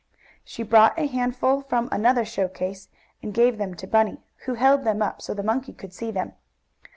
She brought a handful from another show case, and gave them to Bunny, who held them up so the monkey could see them.